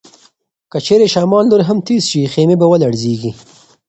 که چیرې شمال نور هم تېز شي، خیمې به ولړزيږي.